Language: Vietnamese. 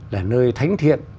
là nơi thánh thiện